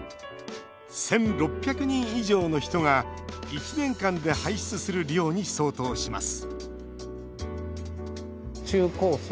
１６００人以上の人が１年間で排出する量に相当します